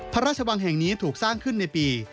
พระราชวังแห่งนี้ถูกสร้างขึ้นในปี